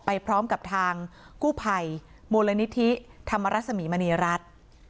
พร้อมกับทางกู้ภัยมูลนิธิธรรมรสมีมณีรัฐ